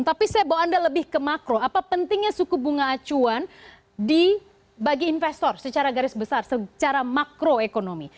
tapi saya bawa anda lebih ke makro apa pentingnya suku bunga acuan bagi investor secara garis besar secara makroekonomi